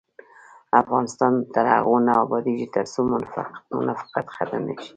افغانستان تر هغو نه ابادیږي، ترڅو منافقت ختم نشي.